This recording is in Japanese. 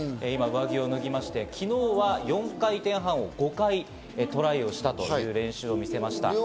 今、上着を脱ぎまして、昨日は４回転半を５回トライしたという練習でした。